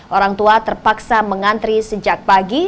orang tua terpaksa mengantri sejak pagi